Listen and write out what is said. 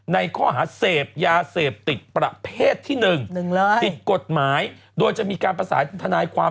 ในข้อหาเสพยาเสพติดประเภทที่๑ผิดกฎหมายโดยจะมีการประสานทนายความ